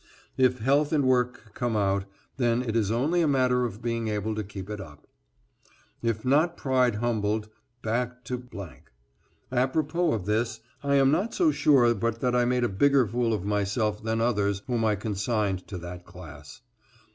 If health and work come out, then it is only a matter of being able to keep it up. If not pride humbled, back to ..... Apropos of this, I am not so sure but that I made a bigger fool of myself than others whom I consigned to that class.